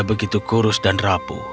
begitu kurus dan rapuh